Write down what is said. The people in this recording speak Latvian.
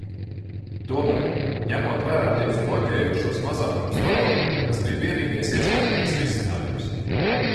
Tomēr, ņemot vērā divus bloķējošos mazākumus Padomē, tas bija vienīgais iespējamais risinājums.